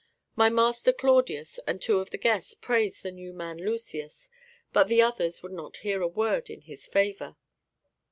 My master Claudius and two of the guests praised the new man Lucius, but the others would not hear a word in his favour."